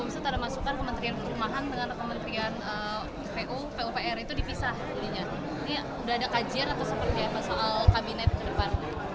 ini sudah ada kajian atau seperti apa soal kabinet ke depan